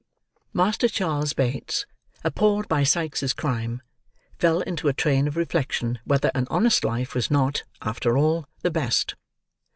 Master Charles Bates, appalled by Sikes's crime, fell into a train of reflection whether an honest life was not, after all, the best.